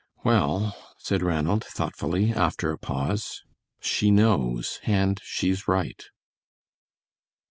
"Well," said Ranald, thoughtfully, after a pause, "she knows, and she's right."